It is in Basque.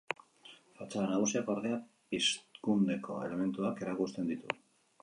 Fatxada nagusiak, ordea, Pizkundeko elementuak erakusten ditu.